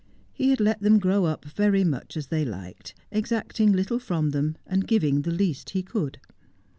He had let them grow up very much as they liked, exacting little from them, and giving the least he could.